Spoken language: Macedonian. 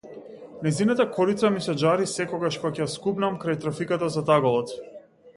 Нејзината корица ми се џари секогаш кога ќе ја скубнам крај трафиката зад аголот.